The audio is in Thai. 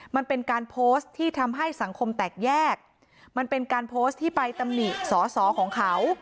มันเป็นการโพสต์ที่ทำให้สังคมแตกแยกมันเป็นการโพสต์ที่ไปตำหนิสอสอของเขา